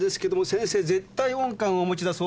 先生「絶対音感」をお持ちだそうですね。